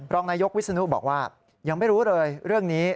รองนายกวิศนุบอกว่ายังไม่รู้เลยเรื่องนี้